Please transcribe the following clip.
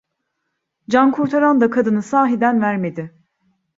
Cankurtaran da kadını sahiden vermedi.